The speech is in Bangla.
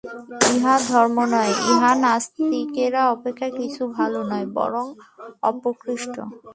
ইহা ধর্ম নয়, ইহা নাস্তিকতা অপেক্ষা কিছু ভাল নয়, বরং অপকৃষ্ট।